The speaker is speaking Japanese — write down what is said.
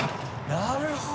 なるほど。